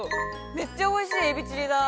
めっちゃおいしいエビチリだ。